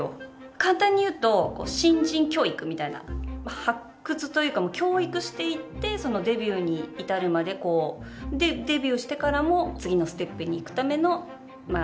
簡単に言うと新人教育みたいな発掘というか教育していってデビューにいたるまでこうでデビューしてからも次のステップに行くためのまあ